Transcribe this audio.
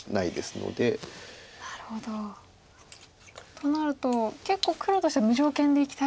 となると結構黒としては無条件で生きたい。